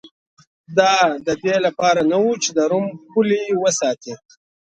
دا د دې لپاره نه چې د روم پولې وساتي